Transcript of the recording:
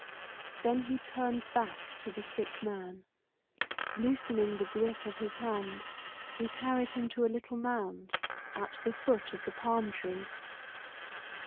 Then he turned back to the sick man. Loosening the grasp of his hand, he carried him to a little mound at the foot of the palm tree.